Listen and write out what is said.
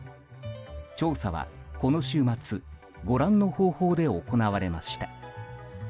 調査はこの週末ご覧の方法で行われました。